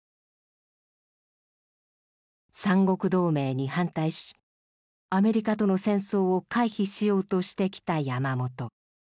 三国同盟に反対しアメリカとの戦争を回避しようとしてきた山本。